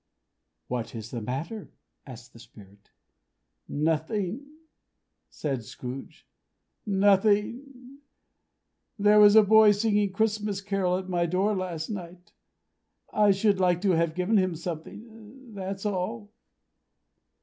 "What is the matter?" asked the Spirit. "Nothing," said Scrooge. "Nothing. There was a boy singing a Christmas Carol at my door last night. I should like to have given him something: that's all."